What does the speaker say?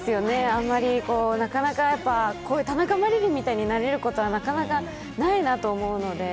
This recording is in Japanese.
あんまりなかなかやっぱりこういう田中麻理鈴みたいになれることはなかなかないなと思うので。